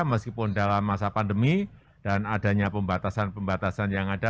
meskipun dalam masa pandemi dan adanya pembatasan pembatasan yang ada